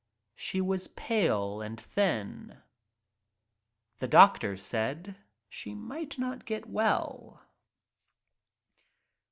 She was pale and thin. The doctor said she might not get well.